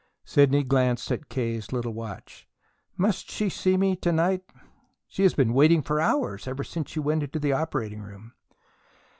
Sidney glanced at K.'s little watch. "Must she see me to night?" "She has been waiting for hours ever since you went to the operating room."